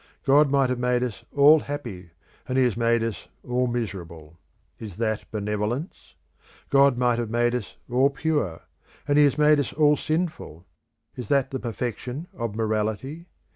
God might have made us all happy, and he has made us all miserable. Is that benevolence? God might have made us all pure, and he has made us all sinful. Is that the perfection of morality?